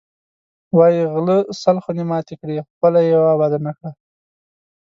وایی غله سل خونې ماتې کړې، خپله یوه یې اباده نه کړه.